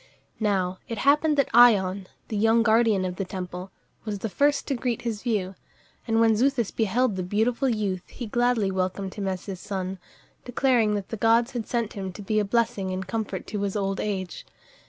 Now it happened that Ion, the young guardian of the temple, was the first to greet his view, and when Xuthus beheld the beautiful youth, he gladly welcomed him as his son, declaring that the gods had sent him to be a blessing and comfort to his old age.